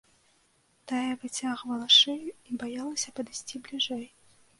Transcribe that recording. Тая выцягвала шыю і баялася падысці бліжэй.